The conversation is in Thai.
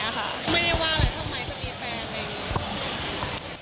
ไม่ได้ว่าอะไรทำไมจะมีแฟน